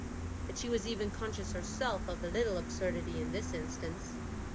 But she was even conscious herself of a little absurdity in this instance.